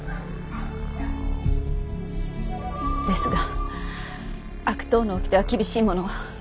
ですが悪党の掟は厳しいもの。